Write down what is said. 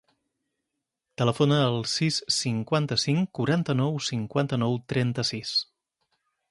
Telefona al sis, cinquanta-cinc, quaranta-nou, cinquanta-nou, trenta-sis.